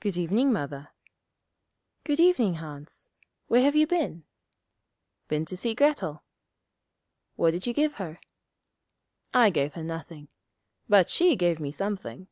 'Good evening, Mother.' 'Good evening, Hans. Where have you been?' 'Been to see Grettel.' 'What did you give her?' 'I gave her nothing. But she gave me something.'